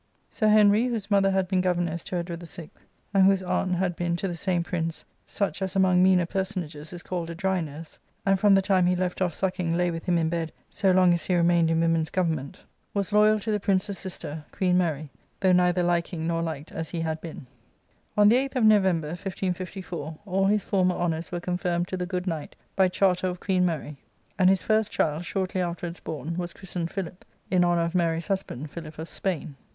Sir Henry, whose mother had been governess to Edward VI., and whose aunt had been to the same prince " such as among meaner personages is called a dry nurse, and from the time he left off sucking lay with him in bed so long as he remained in women's government," was loyal to the prince's sister. Queen Mary, " though neither liking nor liked as he had been." On the 8th of November, 1554, all his former honours were confirmed to the good knight by charter o£Oueen Mary, and his first child, shortly afterwards bom, wi cnnstened " Philip" in honour of Mary's husband, Philip of Spain.